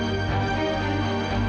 apakah itu ayah